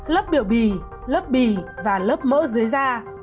lớp biểu bì lớp bì và lớp mỡ dưới da